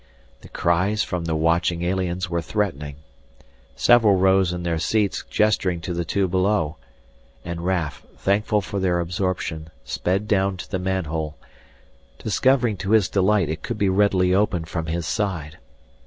The cries from the watching aliens were threatening. Several rose in their seats gesturing to the two below. And Raf, thankful for their absorption, sped down to the manhole, discovering to his delight it could be readily opened from his side.